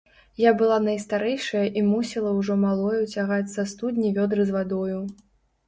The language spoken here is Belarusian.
Я была найстарэйшая і мусіла ўжо малою цягаць са студні вёдры з вадою.